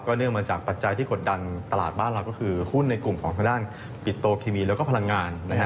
เนื่องมาจากปัจจัยที่กดดันตลาดบ้านเราก็คือหุ้นในกลุ่มของทางด้านปิโตเคมีแล้วก็พลังงาน